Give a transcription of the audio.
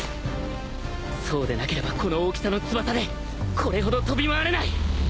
そうでなければこの大きさの翼でこれほど飛び回れない！